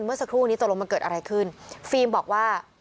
เมื่อสักครู่นี้ตกลงมันเกิดอะไรขึ้นฟิล์มบอกว่า